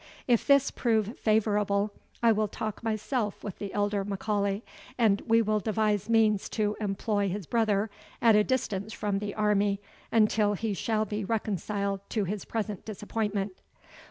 If this prove favourable, I will talk myself with the elder M'Aulay, and we will devise means to employ his brother at a distance from the army until he shall be reconciled to his present disappointment.